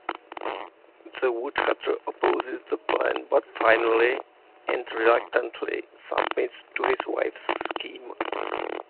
The woodcutter opposes the plan but finally, and reluctantly, submits to his wife's scheme.